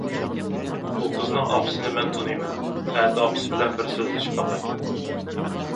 ئۇ قىزنىڭ ئاپىسىنى مەن تونۇيمەن، ئەتە ئاپىسى بىلەن بىر سۆزلىشىپ باقاي.